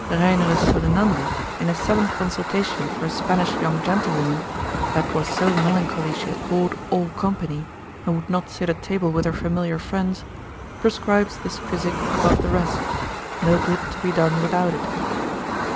Reinerus Solenander, in his seventh consultation for a Spanish young gentlewoman, that was so melancholy she abhorred all company, and would not sit at table with her familiar friends, prescribes this physic above the rest, no good to be done without it.